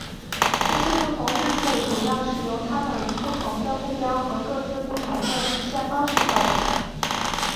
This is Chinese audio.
这些不同之处主要是由他们不同的目标和各自不同的实现方式造成的。